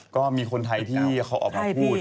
ก็มีคนไทยที่เขาออกมาพูด